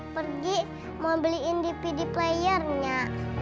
pergi mau beliin dpd player nggak